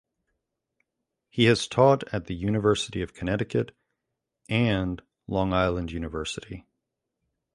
He has taught at the University of Connecticut and Long Island University.